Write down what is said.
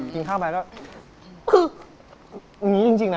กินข้าวไปก็คืออย่างนี้จริงนะ